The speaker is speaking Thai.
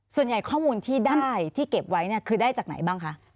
ส่วนใหญ่ข้อมูลที่ได้ที่เก็บไว้เนี่ยคือได้จากไหนบ้างคะ